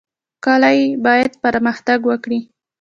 کلي باید پرمختګ وکړي